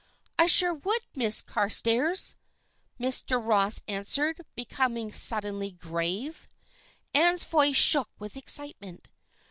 "I surely would, Miss Carstairs!" Mr. Ross answered, becoming suddenly grave. Ann's voice shook with excitement.